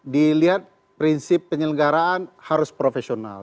dilihat prinsip penyelenggaraan harus profesional